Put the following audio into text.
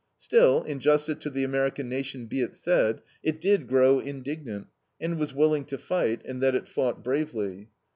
Still, in justice to the American Nation be it said, it did grow indignant and was willing to fight, and that it fought bravely.